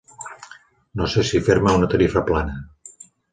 No sé si fer-me una tarifa plana.